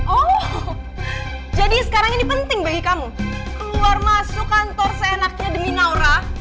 oh jadi sekarang ini penting bagi kamu keluar masuk kantor seenaknya demi naura